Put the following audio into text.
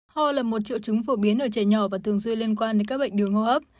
hò là một triệu trứng phổ biến ở trẻ nhỏ và thường duyên liên quan đến các bệnh đường hô hấp